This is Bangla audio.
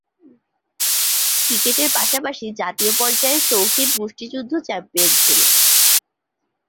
ক্রিকেটের পাশাপাশি জাতীয় পর্যায়ে শৌখিন মুষ্টিযুদ্ধ চ্যাম্পিয়ন ছিলেন।